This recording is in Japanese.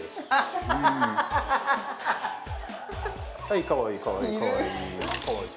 はいかわいいかわいいかわいいいる！